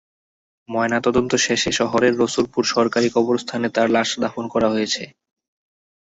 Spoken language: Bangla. ময়নাতদন্ত শেষে শহরের রসুলপুর সরকারি কবরস্থানে তাঁর লাশ দাফন করা হয়েছে।